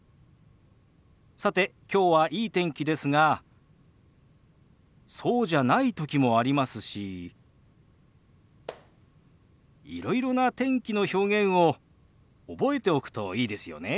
さてきょうはいい天気ですがそうじゃない時もありますしいろいろな天気の表現を覚えておくといいですよね。